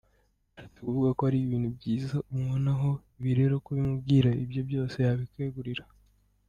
Bishatse kuvuga ko ari ibintu byiza umubonaho ,ibi rero kubimubwira ibye byose yabikwegurira.